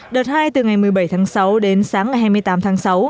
đợt hai từ ngày một mươi bảy tháng sáu đến sáng ngày hai mươi tám tháng sáu